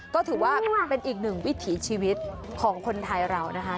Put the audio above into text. ก็ถือว่าเป็นอีกหนึ่งวิถีชีวิตของคนไทยเรานะคะ